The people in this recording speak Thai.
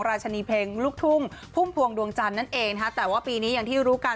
ราชนีเพลงลูกทุ่งพุ่มพวงดวงจันทร์นั่นเองนะฮะแต่ว่าปีนี้อย่างที่รู้กัน